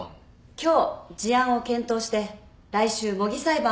今日事案を検討して来週模擬裁判を行います。